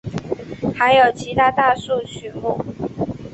还有其他大多数曲目。